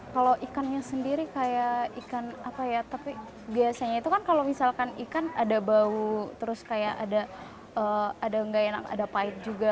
kalau ikannya sendiri kayak ikan apa ya tapi biasanya itu kan kalau misalkan ikan ada bau terus kayak ada nggak enak ada pahit juga